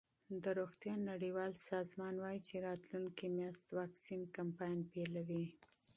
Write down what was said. د روغتیا نړیوال سازمان وايي چې راتلونکې میاشت واکسین کمپاین پیلوي.